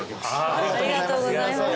ありがとうございます。